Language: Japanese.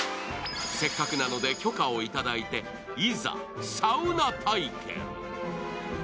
せっかくなので許可をいただいていざ、サウナ体験。